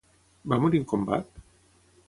Va morir en combat?